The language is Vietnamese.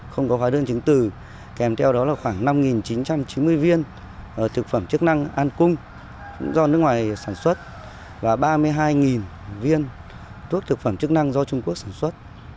không có hóa đơn chứng từ kèm theo đó là khoảng năm chín trăm chín mươi viên thực phẩm chức năng an cung do nước ngoài sản xuất và ba mươi hai viên thuốc thực phẩm chức năng do trung quốc sản xuất